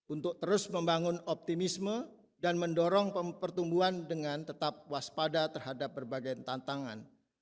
untuk terus membangun optimisme dan mendorong pertumbuhan dengan tetap waspada terhadap berbagai tantangan